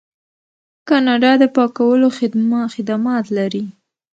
کاناډا د پاکولو خدمات لري.